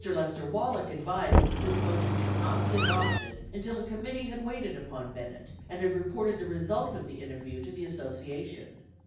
Lester Wallack advised that this motion should not be adopted until a committee had waited upon Bennett, and had reported the result of the interview to the Association.